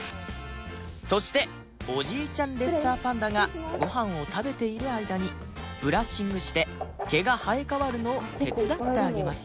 そしておじいちゃんレッサーパンダがごはんを食べている間にブラッシングして毛が生え替わるのを手伝ってあげます